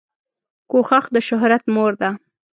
کوښښ دشهرت مور ده